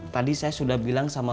tadi saya sudah bilang sama